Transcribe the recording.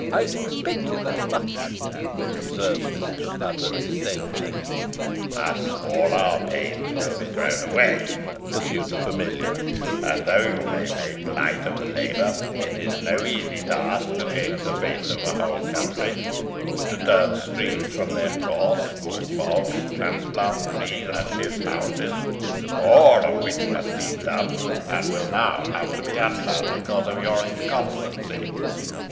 "I expected as much," observed Mistress Nutter, disdainfully. "Thus all our pains will be thrown away," pursued the familiar; "and though you may make light of the labour, it is no easy task to change the face of a whole country to turn streams from their course, move bogs, transplant trees, and shift houses, all of which has been done, and will now have to be undone, because of your inconstancy.